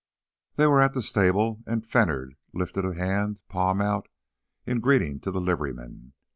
They were at the stable and Fenner lifted a hand, palm out, in greeting to the liveryman.